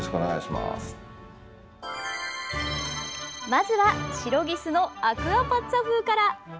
まずはシロギスのアクアパッツァ風から。